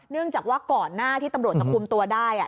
จากว่าก่อนหน้าที่ตำรวจจะคุมตัวได้